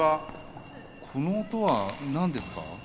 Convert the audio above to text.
この音は何ですか？